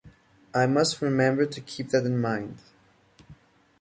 "I must remember to keep that in mind".